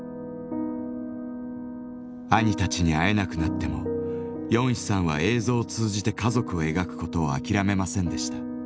兄たちに会えなくなってもヨンヒさんは映像を通じて家族を描くことを諦めませんでした。